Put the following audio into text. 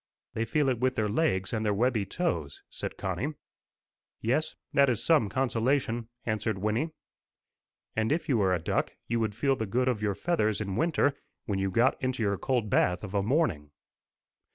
"They feel it with their legs and their webby toes," said Connie. "Yes, that is some consolation," answered Wynnie. "And if you were a duck, you would feel the good of your feathers in winter, when you got into your cold bath of a morning."